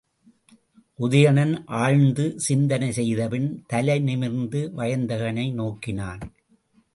உதயணன் ஆழ்ந்து சிந்தனை செய்தபின் தலைநிமிர்ந்து வயந்தகனை நோக்கினான்.